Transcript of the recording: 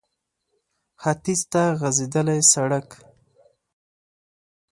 ختيځ ته غځېدلی سړک